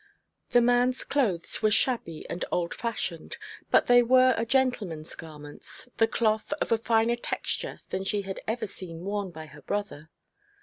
The man's clothes were shabby and old fashioned, but they were a gentleman's garments, the cloth of a finer texture than she had ever seen worn by her brother.